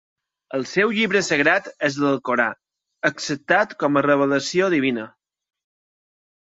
El seu llibre sagrat és l'Alcorà, acceptat com a revelació divina.